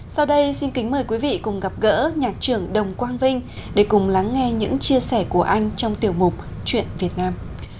sau đây xin kính mời quý vị cùng gặp gỡ nhạc trưởng đồng quang vinh để cùng lắng nghe những chia sẻ của anh trong tiểu mục chuyện việt nam